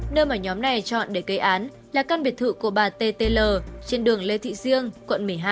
nơi mà nhóm này chọn để gây án là căn biệt thự của bà t t l trên đường lê thị diêng quận một mươi hai